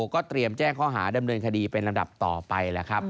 ก็เตรียมแจ้งข้อหาดำเนินคดีเป็นลำดับต่อไปแล้วครับ